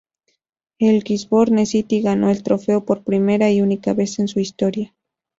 El Gisborne City ganó el trofeo por primera y única vez en su historia.